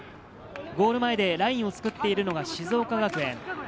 ゴール前でラインを作っているのが静岡学園。